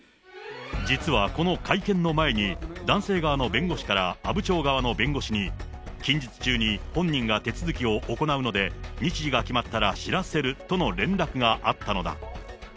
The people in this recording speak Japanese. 実はこの会見の前に、男性側の弁護士から阿武町側の弁護士に、近日中に本人が手続きを行うので、日時が決まったら知らせるとの連絡があったのだ。